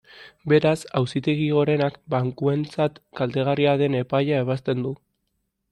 Beraz, Auzitegi Gorenak bankuentzat kaltegarria den epaia ebazten du.